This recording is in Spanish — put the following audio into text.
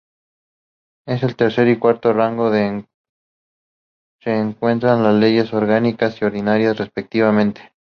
En el tercer y cuarto rango se encuentran las leyes orgánicas y ordinarias respectivamente.